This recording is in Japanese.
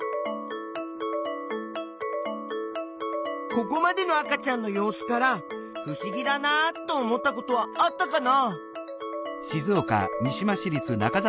ここまでの赤ちゃんの様子からふしぎだなと思ったことはあったかな？